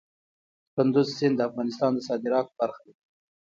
کندز سیند د افغانستان د صادراتو برخه ده.